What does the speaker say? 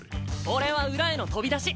俺は裏への飛び出し！